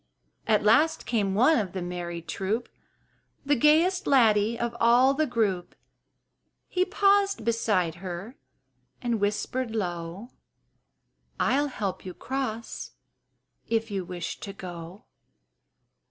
At last came one of the merry troop, The gayest laddie of all the group: He paused beside her and whispered low, "I'll help you cross, if you wish to go."